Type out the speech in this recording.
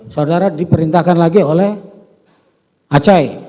saudara diperintahkan lagi oleh acai